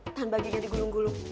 tahan bagiannya digulung gulung